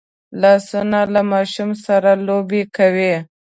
لاسونه له ماشوم سره لوبې کوي